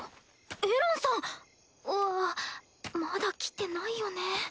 エランさんはまだ来てないよね。